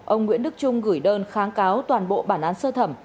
ông nguyễn đức trung gửi đơn kháng cáo toàn bộ bản án sơ thẩm